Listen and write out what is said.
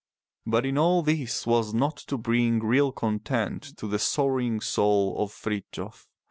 But in all this was nought to bring real content to the sorrowing soul of Frithjof.